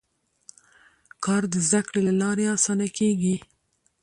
کار د زده کړې له لارې اسانه کېږي